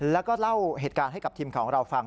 แล้วก็เล่าเหตุการณ์ให้กับทีมของเราฟัง